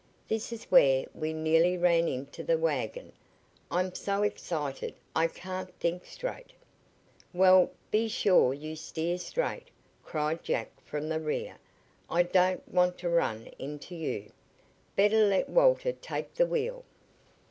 "This is where we nearly ran into the wagon. I'm so excited I can't think straight." "Well, be sure you steer straight!" cried Jack from the rear. "I don't want to run into you. Better let Walter take the wheel."